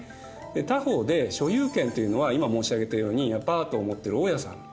他方で所有権というのは今申し上げたようにアパートを持ってる大家さん。